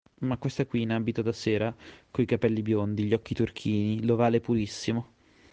Ma questa qui, in abito da sera, coi capelli biondi, gli occhi turchini, l'ovale purissimo.